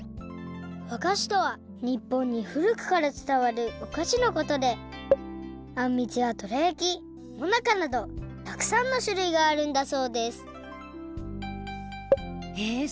わがしとは日本に古くからつたわるおかしのことであんみつやどらやきもなかなどたくさんのしゅるいがあるんだそうですへえ